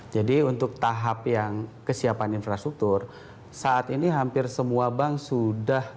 jadi untuk tahap yang kesiapan infrastruktur saat ini hampir semua bank sudah